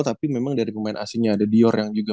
tapi memang dari pemain asingnya ada dior yang juga